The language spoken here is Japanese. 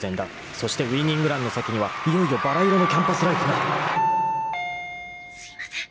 ［そしてウイニングランの先にはいよいよばら色のキャンパスライフが］すいません。